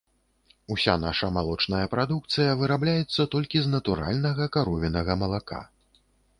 Уся наша малочная прадукцыя вырабляецца толькі з натуральнага каровінага малака.